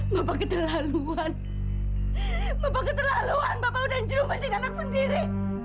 bapak keterlaluan bapak keterlaluan bapak udah menjerumuskan anak sendiri